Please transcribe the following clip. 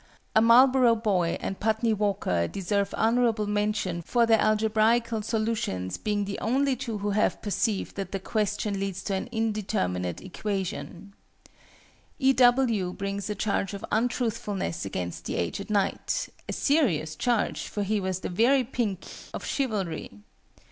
A MARLBOROUGH BOY and PUTNEY WALKER deserve honourable mention for their algebraical solutions being the only two who have perceived that the question leads to an indeterminate equation. E. W. brings a charge of untruthfulness against the aged knight a serious charge, for he was the very pink of chivalry!